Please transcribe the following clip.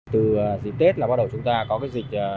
từ dịp tết bắt đầu chúng ta có dịch